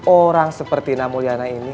orang seperti namulyana ini